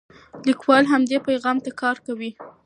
لیکوال همدې پیغام ته کار کوي.